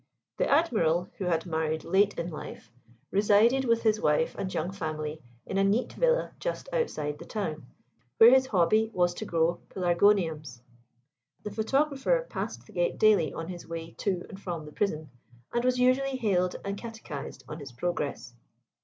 The Admiral (who had married late in life) resided with his wife and young family in a neat villa just outside the town, where his hobby was to grow pelargoniums. The photographer passed the gate daily on his way to and from the prison, and was usually hailed and catechised on his progress.